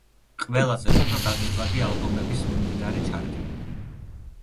ყველაზე უფრო გაყიდვადი ალბომების მიმდინარე ჩარტი.